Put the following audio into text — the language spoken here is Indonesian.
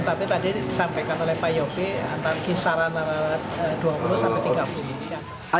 tapi tadi disampaikan oleh pak yopi antara kisaran dua puluh tiga puluh